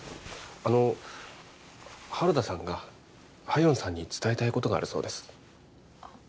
あの原田さんが夏英さんに伝えたいことがあるそうですあっ